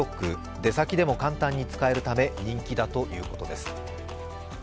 出先でも簡単に使えるため人気だということです。